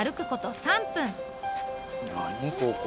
何ここ？